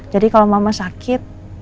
jadi kalau mama sakit